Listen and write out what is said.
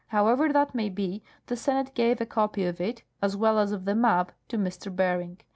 However that may be, the Senate gave a copy of it, as well as of the map, to M. Bering.